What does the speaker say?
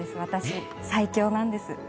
私、最強なんです。